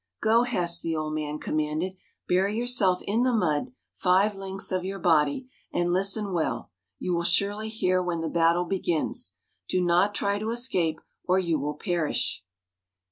"Go, Hess," the old man commanded, "bury yourself in the mud, five lengths of your body, and listen well. You will surely hear when the battle begins. Do not try to escape, or you will perish."